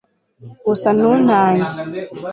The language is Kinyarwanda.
gusa ntutange